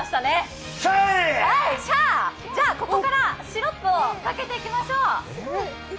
ここからシロップをかけていきましょう。